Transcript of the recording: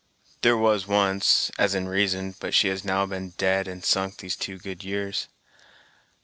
"There was once, as in reason; but she has now been dead and sunk these two good years."